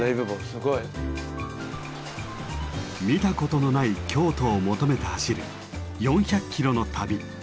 すごい。見たことのない京都を求めて走る４００キロの旅。